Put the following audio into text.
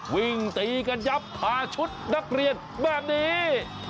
วิ่งตีกันยับคาชุดนักเรียนแบบนี้